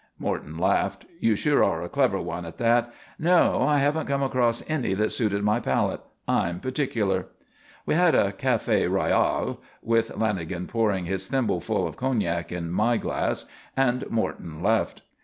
Morton laughed. "You sure are a clever one at that. No. I haven't come across any that suited my palate. I'm particular." We had a café royale with Lanagan pouring his thimble full of cognac in my glass and Morton left.